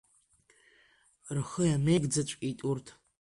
Рхы иамеигӡаҵәҟьеит урҭ…